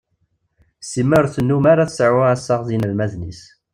Sima ur tennum ara tseɛu assaɣ d yinelmaden-is.